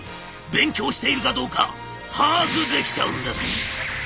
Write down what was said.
勉強しているかどうか把握できちゃうんです！